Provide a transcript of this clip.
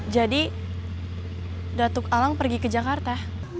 jadi datuk alang pergi ke jakarta